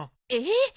えっ？